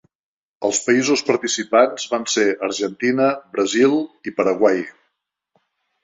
Els països participants van ser Argentina, Brasil, i Paraguai.